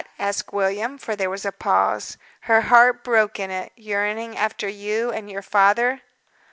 asked William, for there was a pause. "Her heart broke in it yearning after you and your father."